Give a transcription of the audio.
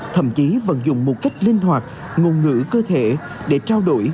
thậm chí vẫn dùng một cách linh hoạt ngôn ngữ cơ thể để trao đổi